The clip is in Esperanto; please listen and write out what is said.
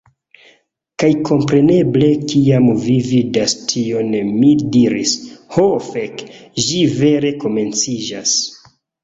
Kaj kompreneble kiam vi vidis tion mi diris, "Ho fek'! Ĝi vere komenciĝas!"